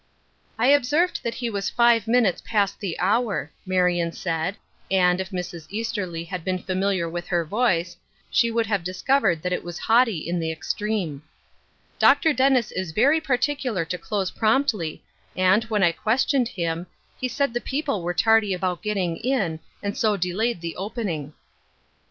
" I observed that he was five minutes past the hour," Marion said ; and, if Mrs. Easterly had been familiar with her voice, she would have dis covered that it was haughty in the extreme. " Dr. Dennis is very particular to close promptly, and, when 1 questioned him, he said the people were tardy about getting in, and so delayed the opening." * 164 Ruth Urskine^s Crosse*.